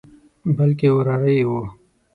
بلکې وراره یې وو.